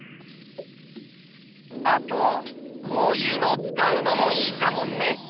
あとこういうのを使うのもいいかもね。